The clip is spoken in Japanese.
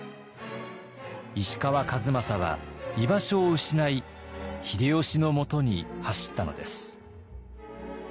石川数正は居場所を失い秀吉のもとに走ったのです。